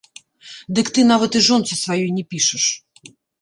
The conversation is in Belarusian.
Дык ты нават і жонцы сваёй не пішаш.